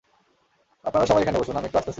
আপনারা সবাই এখানে বসুন, আমি একটু আসতেছি।